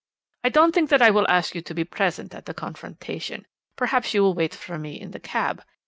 I don't think that I will ask you to be present at the confrontation. Perhaps you will wait for me in the cab.